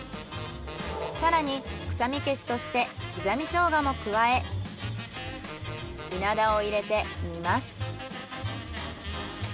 更に臭み消しとして刻みショウガも加えイナダを入れて煮ます。